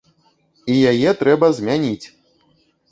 І яе трэба змяніць!